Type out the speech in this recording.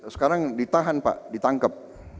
sekarang ditahan pak ditangkep